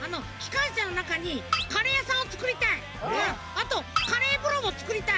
あとカレーぶろもつくりたい！